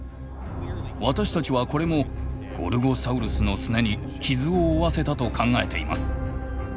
私たちはこれもゴルゴサウルスのすねに傷を負わせたと考えています。